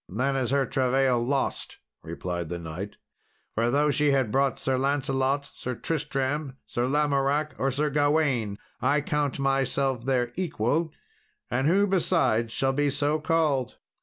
"Then is her travail lost," replied the knight; "for, though she had brought Sir Lancelot, Sir Tristram, Sir Lamoracke, or Sir Gawain, I count myself their equal, and who besides shall be so called?"